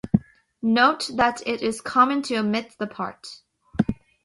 Note that it is common to omit the part.